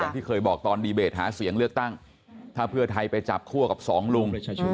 ที่เคยบอกตอนดีเบตหาเสียงเลือกตั้งถ้าเพื่อไทยไปจับคั่วกับสองลุง